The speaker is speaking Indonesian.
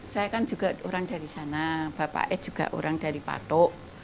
saya kan juga orang dari sana bapak e juga orang dari patok